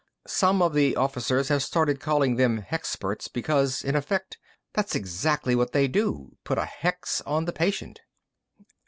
Some of the officers have started calling them hexperts because, in effect, that's exactly what they do put a hex on the patient."